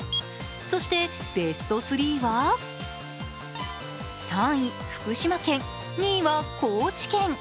そしてベスト３は３位・福島県、２位は高知県。